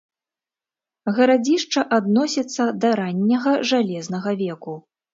Гарадзішча адносіцца да ранняга жалезнага веку.